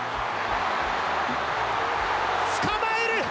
つかまえる。